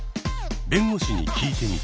弁護士に聞いてみた。